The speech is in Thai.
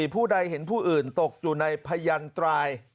ผู้ใดเห็นผู้อื่นตกอยู่ในพยันตราย